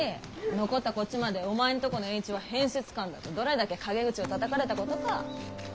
残ったこっちまで「お前んとこの栄一は変節漢だ」ってどれだけ陰口をたたかれたことか。